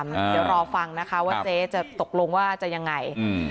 เดี๋ยวรอฟังนะคะว่าเจ๊จะตกลงว่าจะยังไง